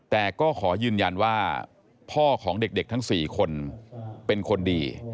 แต่ก็ขอยืนยันว่าพ่อของเด็กทั้ง๔คนเป็นคนดี